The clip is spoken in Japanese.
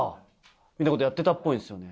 みたいなことをやってたっぽいんですよね。